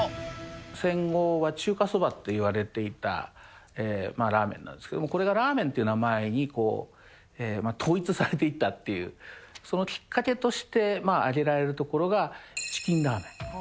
戦後は中華そばって言われていたラーメンなんですけれども、これがラーメンという名前に統一されていったっていう、そのきっかけとして、挙げられるところが、チキンラーメン。